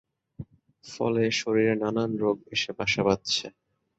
ফলে শরীরে নানান রোগ এসে বাসা বাঁধছে।